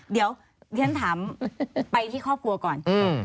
เดี๋ยวฉันถามไปที่ครอบครัวก่อน